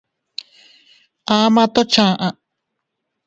Ama toʼo chaʼa.